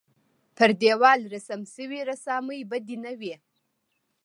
پر دېوال رسم شوې رسامۍ بدې نه وې.